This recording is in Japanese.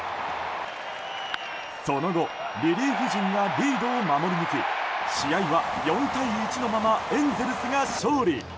その後、リリーフ陣がリードを守り抜き試合は４対１のままエンゼルスが勝利。